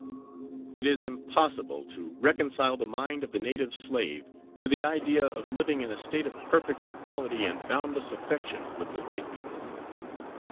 It is impossible to reconcile the mind of the native slave to the idea of living in a state of perfect equality, and boundless affection, with the white people.